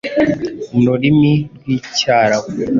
mu rurimi rw’icyarabu